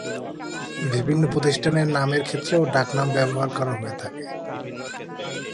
বিভিন্ন প্রতিষ্ঠানের নামের ক্ষেত্রেও ডাকনাম ব্যবহার করা হয়ে থাকে।